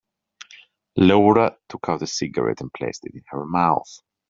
Laura took out a cigarette and placed it in her mouth.